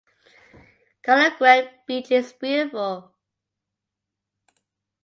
Calanguate beach is beautiful.